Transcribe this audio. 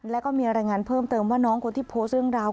แล้วก็มีรายงานเพิ่มเติมว่าน้องคนที่โพสต์เรื่องราว